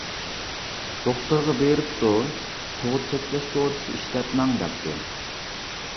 دوختۇرغا بېرىپتۇ، تۇغۇت چەكلەش دورىسى ئىشلەتمەڭ دەپتۇ.